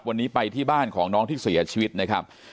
วันนี้ไปที่บ้านของน้องที่เสียชีวิตนะครับ